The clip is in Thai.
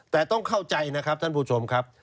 แต่ต้องเข้าใจนะครับท่านผู้ชมครับ